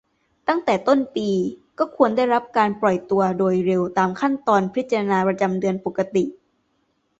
ตั้งแต่ต้นปี ก็ควรได้รับการปล่อยตัวโดยเร็วตามขั้นตอนพิจารณาประจำเดือนปกติ